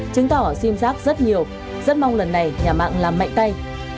chứng tỏ xim rác rất nhiều rất mong lần này nhà mạng làm mạnh tay